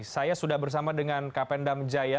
saya sudah bersama dengan kapendam jaya